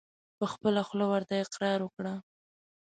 په خپله خوله ورته اقرار وکړه !